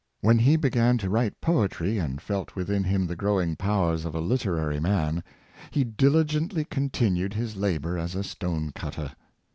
When he began to write poet^^, and felt within him the growing powers of a literary man, he dili gently continued his labor as a stone cutter.